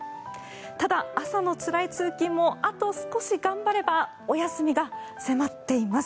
ただ、朝のつらい通勤もあと少し頑張ればお休みが迫っています。